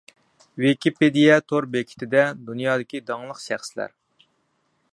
ۋىكىپېدىيە تور بېكىتىدە دۇنيادىكى داڭلىق شەخسلەر.